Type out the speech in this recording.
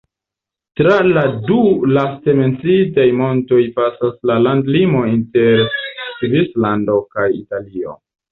Tra la du laste menciitaj montoj pasas la landlimo inter Svislando kaj Italio.